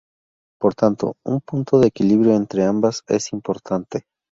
Por tanto, un punto de equilibrio entre ambas es importante.